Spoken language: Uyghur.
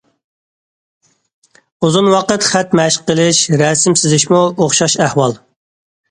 ئۇزۇن ۋاقىت خەت مەشىق قىلىش، رەسىم سىزىشمۇ ئوخشاش ئەھۋال.